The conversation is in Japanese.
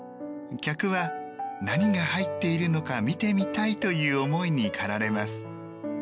客は何が入っているのか見てみたいという思いに駆られます。